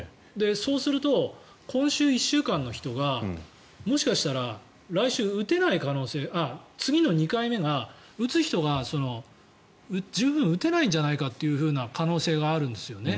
そうすると今週１週間の人がもしかしたら、次の２回目が打つ人が十分打てないんじゃないかという可能性があるんですよね。